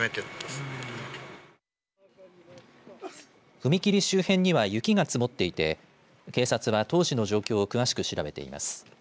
踏切周辺には雪が積もっていて警察は当時の状況を詳しく調べています。